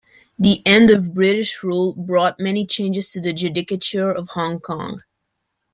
The end of British rule bought many changes to the judicature of Hong Kong.